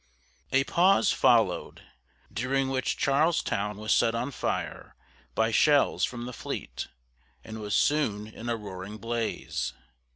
A pause followed, during which Charlestown was set on fire by shells from the fleet and was soon in a roaring blaze.